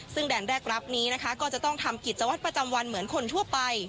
ซึ่งแดนแรกรับนี้นะคะก็จะต้องทำกิจวัตรประจำวันเหมือนคนทั่วไป